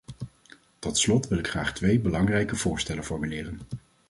Tot slot wil ik graag twee belangrijke voorstellen formuleren.